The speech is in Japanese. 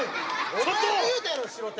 お前が言うたやろしろて。